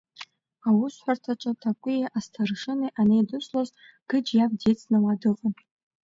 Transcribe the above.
Аусҳәарҭаҿы Ҭакәии астаршыни анеидыслоз, Гыџь иаб дицны уа дыҟан.